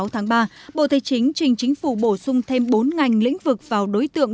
hai mươi sáu tháng ba bộ tài chính trình chính phủ bổ sung thêm bốn ngành lĩnh vực vào đối tượng